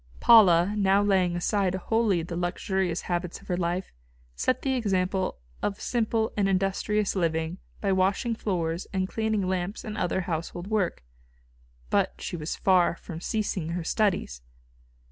Paula now laying aside wholly the luxurious habits of her life, set the example of simple and industrious living by washing floors and cleaning lamps and other household work. But she was far from ceasing her studies.